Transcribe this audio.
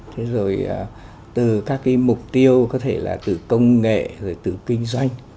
thế rồi từ các cái mục tiêu có thể là từ công nghệ rồi từ kinh doanh